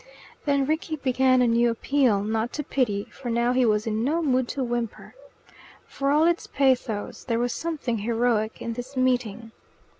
Then Rickie began a new appeal not to pity, for now he was in no mood to whimper. For all its pathos, there was something heroic in this meeting.